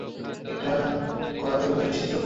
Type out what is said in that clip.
এটা করার ব্যাপারে নিশ্চিত তো?